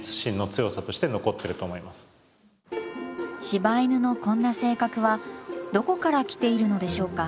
柴犬のこんな性格はどこから来ているのでしょうか。